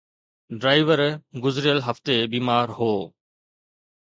Driver گذريل هفتي بيمار هو.